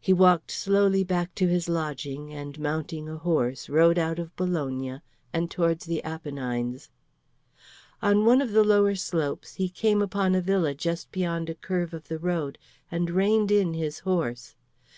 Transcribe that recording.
He walked slowly back to his lodging, and mounting a horse rode out of Bologna, and towards the Apennines. On one of the lower slopes he came upon a villa just beyond a curve of the road, and reined in his horse.